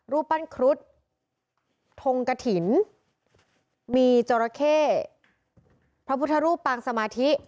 รูปคทรงกลถินมีโจรเสภรรพธรูปปางสมาธิ